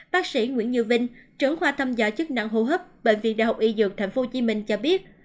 bác sĩ nguyễn như vinh trưởng khoa thăm gia chức năng hô hấp bệnh viện đại học y dược tp hcm cho biết